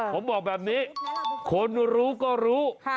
ผมบอกแบบนี้คนรู้ก็รู้